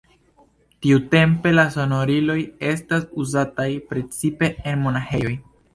Tiutempe la sonoriloj estas uzataj precipe en monaĥejoj.